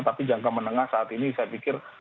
tapi jangka menengah saat ini saya pikir